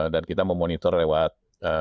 dan kita memonitor lewat